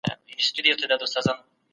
ارغنداب د سولې او سکون ځای دی.